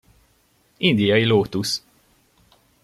Indiai lótusz!